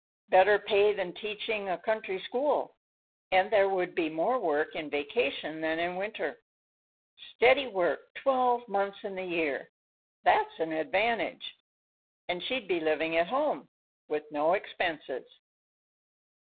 Better pay than teaching a country school, and there would be more work in vacation than in winter. Steady work twelve months in the year; that's an advantage. And she'd be living at home, with no expenses."